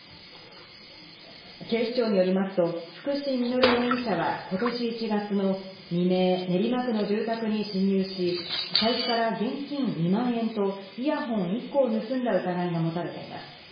警視庁によりますと、福士稔容疑者は今年１月の未明、練馬区の住宅に侵入し、財布から現金２万円とイヤホン１個を盗んだ疑いが持たれています。